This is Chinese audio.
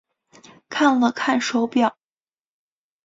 看了看手表